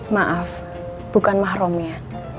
maaf bukan mahrumnya